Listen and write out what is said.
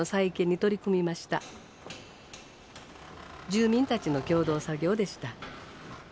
住民たちの共同作業でした。